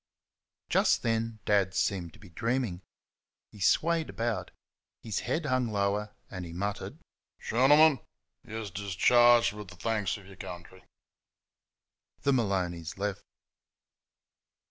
Just then Dad seemed to be dreaming. He swayed about. His head hung lower, and he muttered, "Shen'l'm'n, yoush disharged wish shanksh y'cun'ry." The Maloneys left.